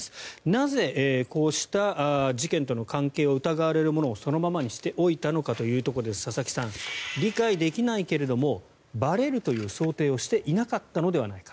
なぜ、こうした事件との関係を疑われるものをそのままにしておいたのかということで佐々木さん理解できないけれどもばれるという想定をしていなかったのではないか。